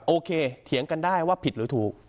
เถียงกันได้ว่าผิดหรือถูก